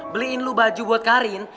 beliin lo baju buat karim